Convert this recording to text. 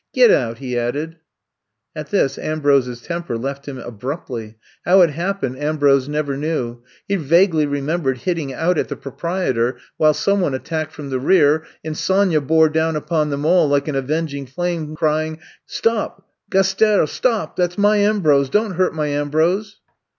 "Get out!" he added. At this Ambrose's temper left him abruptly. How it happened Ambrose I'VE COME TO STAY 145 never knew. He vaguely remembered hit ting out at the proprietor while some one attacked from the rear, and Sonya bore down upon them all like an avenging flame, crying :Stop — Gasterl — stop 1 That *s my Am brose ! Don 't hurt my Ambrose